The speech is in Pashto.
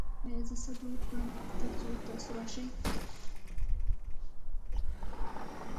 ایا زه صبر وکړم تر څو تاسو راشئ؟